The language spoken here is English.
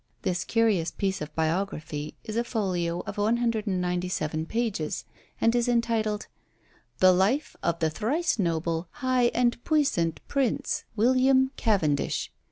This curious piece of biography is a folio of 197 pages, and is entitled "The Life of the Thrice Noble, High, and Puissant Prince, William Cavendish."